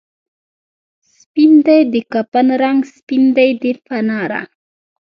سپین دی د کفن رنګ، سپین دی د فنا رنګ